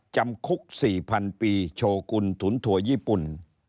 จำคุก๔๐๐๐ปีโชกุลถุนถั่วญี่ปุ่น